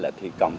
là thi công